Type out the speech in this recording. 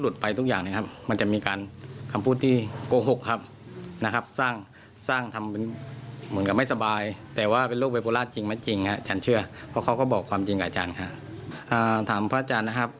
แต่ว่าที่อาจารย์ออกมาคือปกป้องพระศาสนาน่ะฮะ